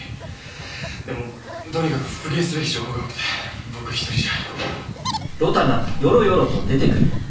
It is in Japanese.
でもとにかく復元すべき情報が多くて僕一人じゃ。